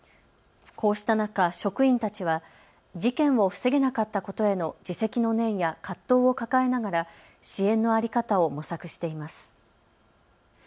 こうした中、職員たちは事件を防げなかったことへの自責の念や葛藤を抱えながら支援の在り方を模索しています。